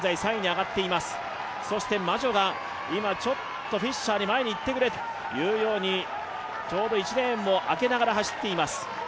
そしてマジョがフィッシャーに前に行ってくれというようにちょうど１レーンをあけながら走っています。